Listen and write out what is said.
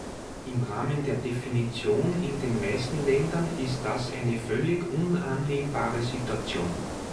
Im Rahmen der Definition in den meisten Ländern ist das eine völlig unannehmbare Situation.